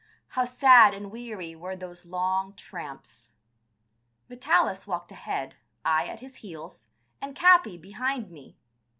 How sad and weary were those long tramps. Vitalis walked ahead, I at his heels, and Capi behind me.